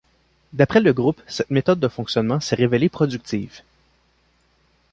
D'après le groupe, cette méthode de fonctionnement s'est révélée productive.